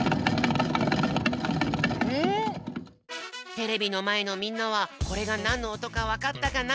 テレビのまえのみんなはこれがなんのおとかわかったかな？